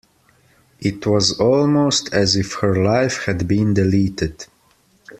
It was almost as if her life had been deleted.